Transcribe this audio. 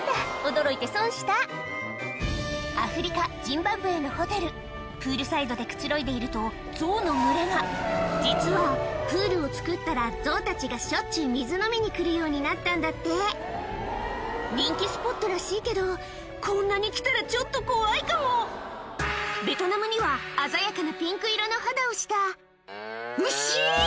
驚いて損したアフリカジンバブエのホテルプールサイドでくつろいでいるとゾウの群れが実はプールを造ったらゾウたちがしょっちゅう水飲みに来るようになったんだって人気スポットらしいけどこんなに来たらちょっと怖いかもベトナムには鮮やかなピンク色の肌をした牛⁉